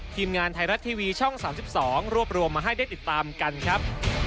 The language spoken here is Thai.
ทีมงานไทยรัฐทีวีช่อง๓๒รวบรวมมาให้ได้ติดตามกันครับ